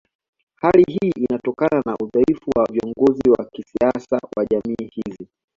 Hali hii ni Kutokana na udhaifu wa viongozi wa kisiasa wa jamii hizi